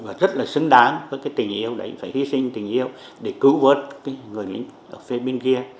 và rất là xứng đáng với cái tình yêu đấy phải hy sinh tình yêu để cứu vớt cái người lính cà phê bên kia